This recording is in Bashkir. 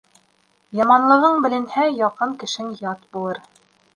Яманлығың беленһә, яҡын кешең ят булыр.